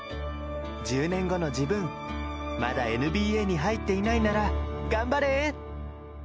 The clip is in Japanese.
１０年後の自分、まだＮＢＡに入っていないなら頑張れ。